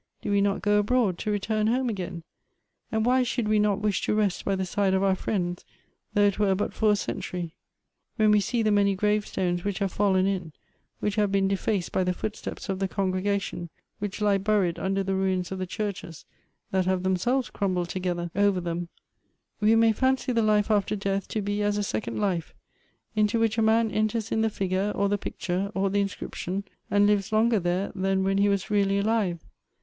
Do we not go abroad to return home again ? And why should we not wish to rest by the side of our friends, though it were but for a century ?" "When we see the many grave stones which have fallen in, which have been defaced by the footsteps of the congregation, which lie buried under the ruins of the churches, that have themselves crumbled together over 166 Goethe's them, we may fancy the life after death to be as a second life, into which a man enters in thf figure, or the picture, or the inscription, and lives longer there than when he was really alive.